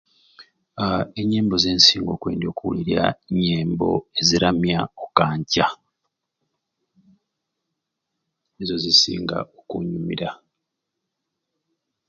Aaa enyembo zensinga okwendya nyembo eziryamya okanca nizo zisinga okunyumira